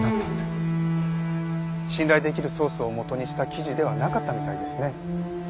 信頼できるソースを元にした記事ではなかったみたいですね。